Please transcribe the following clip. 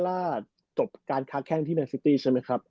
ล่าสุดจบการค้าแข้งที่แมนซิตี้ใช่ไหมครับ